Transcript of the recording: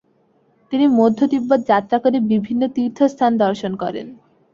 তিনি মধ্য তিব্বত যাত্রা করে বিভিন্ন তীর্থস্থান দর্শন করেন।